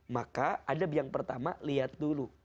maka adab yang pertama lihat dulu